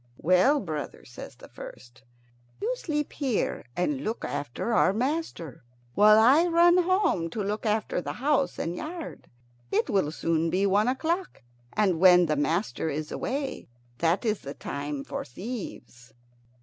"Well, brother," says the first, "you sleep here and look after our master, while I run home to look after the house and yard. It will soon be one o'clock, and when the master is away that is the time for thieves."